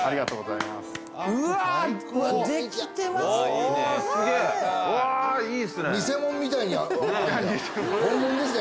いいですね